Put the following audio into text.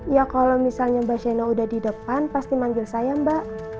ya kalau misalnya mbak shana udah di depan pasti manggil saya mbak